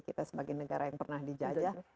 kita sebagai negara yang pernah dijajah